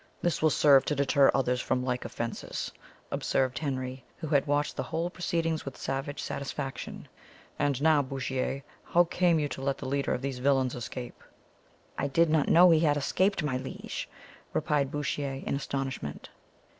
"This will serve to deter others from like offences," observed Henry, who had watched the whole proceedings with savage satisfaction. "And now, Bouchier, how came you to let the leader of these villains escape?" "I did not know he had escaped, my liege," replied Bouchier, in astonishment.